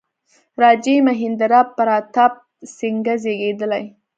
راجا مهیندرا پراتاپ سینګه زېږېدلی.